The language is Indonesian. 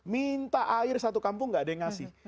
minta air satu kampung gak ada yang ngasih